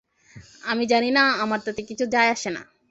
আমি জানি না আমার তাতে কিছু যায় আসেনা।